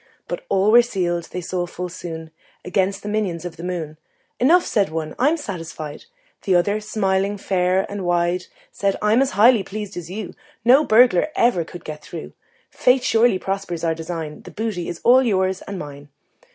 But all were sealed, they saw full soon, Against the minions of the moon. "Enough," said one: "I'm satisfied." The other, smiling fair and wide, Said: "I'm as highly pleased as you: No burglar ever can get through. Fate surely prospers our design The booty all is yours and mine."